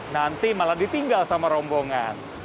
nanti malah ditinggal sama rombongan